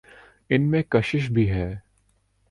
ان میں کشش بھی ہے۔